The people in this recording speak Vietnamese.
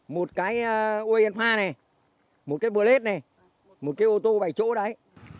một cái ô yên pha này một cái bừa lết này một cái ô tô bảy chỗ đấy